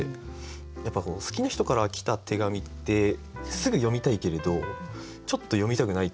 やっぱ好きな人から来た手紙ってすぐ読みたいけれどちょっと読みたくないというか。